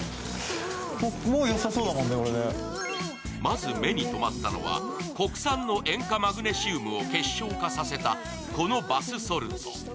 まず目に止まったのは、国産の塩化マグネシウムを結晶化させたこのバスソルト。